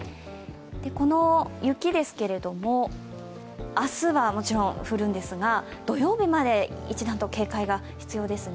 この雪ですけれども明日はもちろん降るんですが土曜日まで一段と警戒が必要ですね。